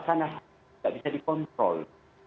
karena tidak bisa dikontrol